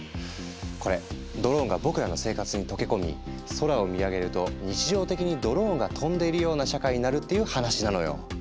これドローンが僕らの生活に溶け込み空を見上げると日常的にドローンが飛んでいるような社会になるっていう話なのよ。